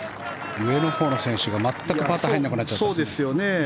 上のほうの選手が全くパター入らなくなっちゃった。